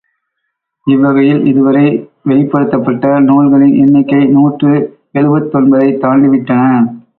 இவ்வகையில், இதுவரை வெளிப்படுத்தப்பபட்ட நூல்களின் எண்ணிக்கை நூற்று எழுபத்தொன்பதைத் தாண்டி விட்டன!